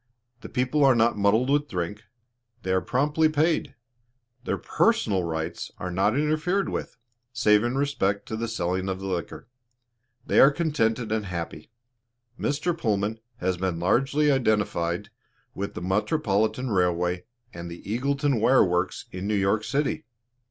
The people are not muddled with drink; they are promptly paid; their 'personal' rights are not interfered with, save in respect to the selling of liquor; they are contented and happy. Mr. Pullman has been largely identified with the Metropolitan Railway and the Eagleton Wire Works in New York city.